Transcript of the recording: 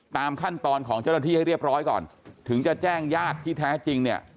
ตามขั้นตอนของเจ้าหน้าที่ให้เรียบร้อยก่อนถึงจะแจ้งญาติที่แท้จริงเนี่ย